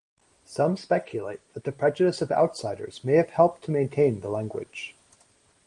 Some speculate that the prejudice of outsiders may have helped to maintain the language.